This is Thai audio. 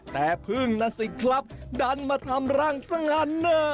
แต่พึ่งนั่นสิครับดันมาทำรังสักหน่า